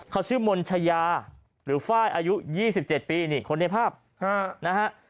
เขาชื่อมนชายาหรือฝ้ายอายุยี่สิบเจ็ดปีนี่คนในภาพฮะนะฮะ